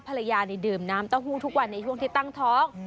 ภรรยาดื่มน้ำเต้าหู้ทุกวันในช่วงที่ตั้งท้อง